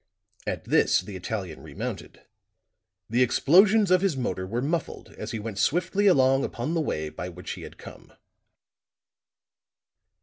At this the Italian remounted; the explosions of his motor were muffled as he went swiftly along upon the way by which he had come.